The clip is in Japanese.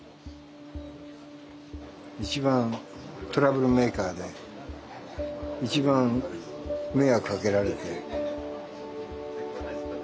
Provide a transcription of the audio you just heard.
一番トラブルメーカーで一番迷惑かけられて。